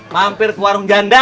mampir ke warung janda